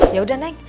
ya udah neng